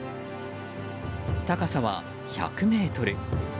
高さは１００ｍ。